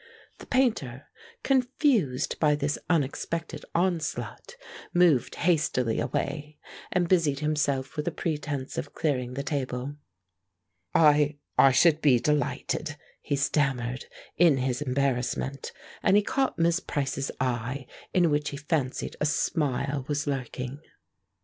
The Painter, confused by this unexpected onslaught, moved hastily away and busied himself with a pretence of clearing the table. "I I should be delighted," he stammered, in his embarrassment, and he caught Miss Price's eye, in which he fancied a smile was lurking.